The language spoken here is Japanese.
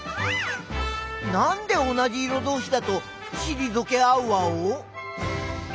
なんで同じ色どうしだとしりぞけ合うワオ？